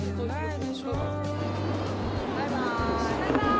バイバイ！